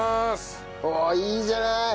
おおいいじゃない！